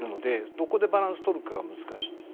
どこでバランスを取るか難しいです。